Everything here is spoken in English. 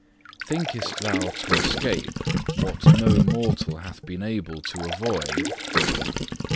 6. Thinketh thou to escape what no mortal hath been able to avoid?